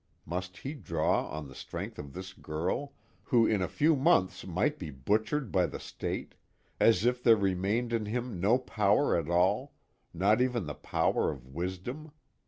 Must he draw on the strength of this girl who in a few months might be butchered by the State, as if there remained in him no power at all, not even the power of wisdom?